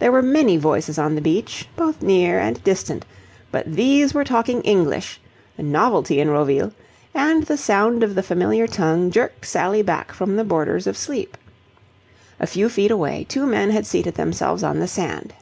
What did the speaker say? There were many voices on the beach, both near and distant, but these were talking English, a novelty in Roville, and the sound of the familiar tongue jerked Sally back from the borders of sleep. A few feet away, two men had seated themselves on the sand.